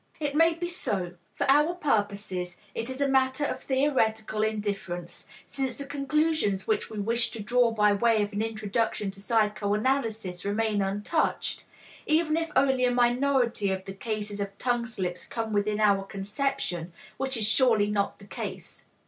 It may be so; for our purposes it is a matter of theoretical indifference, since the conclusions which we wish to draw by way of an introduction to psychoanalysis remain untouched, even if only a minority of the cases of tongue slips come within our conception, which is surely not the case.